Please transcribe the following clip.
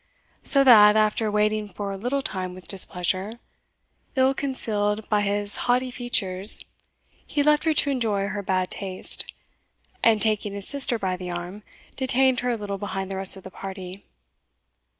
So that, after waiting for a little time with displeasure, ill concealed by his haughty features, he left her to enjoy her bad taste, and taking his sister by the arm, detained her a little behind the rest of the party.